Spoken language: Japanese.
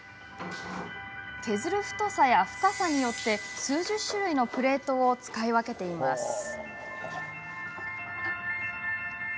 削る太さ、深さによって数十種類のプレートを使い分けています。